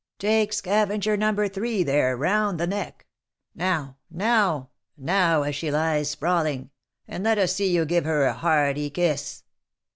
Take scavenger, No. 3, there, round the neck ; now — now — now, as she lies sprawling, and let us see you give her a hearty kiss."